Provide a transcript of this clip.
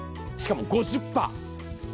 しかも５０パー。